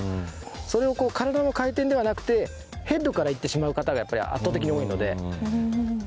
それを体の回転ではなくてヘッドからいってしまう方がやっぱり圧倒的に多いので。